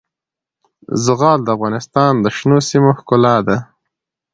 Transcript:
زغال د افغانستان د شنو سیمو ښکلا ده.